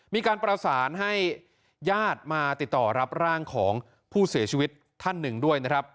มีการประสานให้ญาติมาติดต่อรับร่างของผู้เสียชีวิตท่านหนึ่งด้วยนะครับ